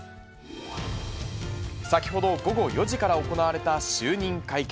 先ほど、午後４時から行われた就任会見。